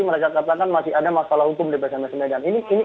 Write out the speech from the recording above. mereka katakan masih ada masalah hukum di psms medan